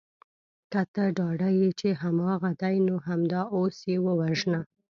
که ته ډاډه یې چې هماغه دی نو همدا اوس یې ووژنه